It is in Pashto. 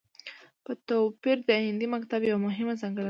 په توپير د هندي مکتب يوه مهمه ځانګړنه ده